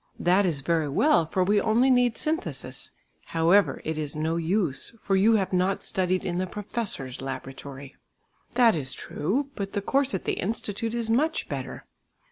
"That is very well, for we only need synthesis; however, it is no use for you have not studied in the professor's laboratory." "That is true; but the course at the Institute is much better."